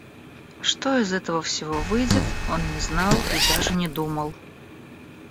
Что из этого всего выйдет, он не знал и даже не думал.